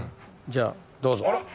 じゃあどうぞ。